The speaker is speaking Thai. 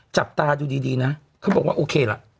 จับตาดูดีนะเขาบอกว่าโอเคล่ะ